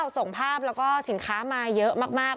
ส่งภาพแล้วก็สินค้ามาเยอะมาก